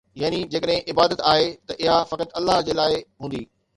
يعني جيڪڏهن عبادت آهي ته اها فقط الله جي لاءِ هوندي